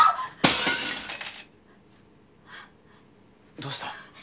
どうした？